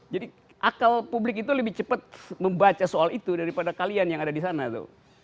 jadi akal publik itu lebih cepat membaca soal itu daripada kalian yang ada di sana tuh